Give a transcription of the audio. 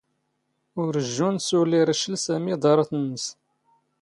ⵓⵔ ⵊⵊⵓⵏ ⵙⵓⵍ ⵉⵔⵛⵍ ⵙⴰⵎⵉ ⴹⴰⵕⵜ ⵏⵏⵙ.